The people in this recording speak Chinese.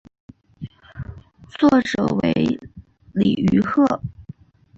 作者为李愚赫。